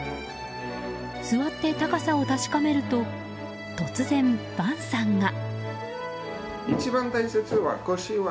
座って高さを確かめると突然、ヴァンさんが。